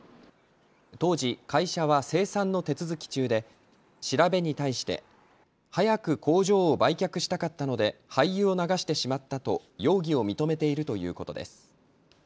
当時、会社は清算の手続き中で調べに対して早く工場を売却したかったので廃油を流してしまったと容疑を認めているということです。